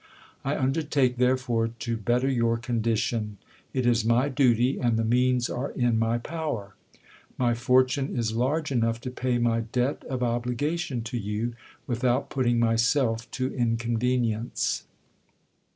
I undertake, therefore, to better your condition : it is my duty, and the means are in my power. My fortune is large enough to pay my debt of obligation to you, without putting myself to inconvenience.